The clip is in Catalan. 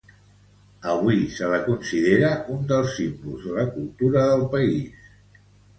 Avui se la considera un dels símbols de la cultura del país.